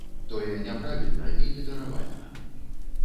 Тое няправільна і недаравальна!